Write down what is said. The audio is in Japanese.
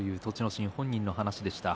心本人の話でした。